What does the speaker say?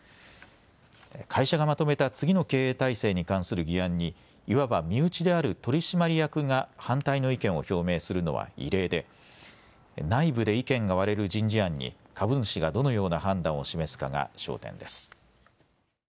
会社がまとめた次の経営体制に関する議案にいわば身内である取締役が反対の意見を表明するのは異例で内部で意見が割れる人事案に株主がどのような判断を示すかが焦点です。